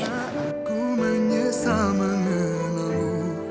aku menyesal mengenalmu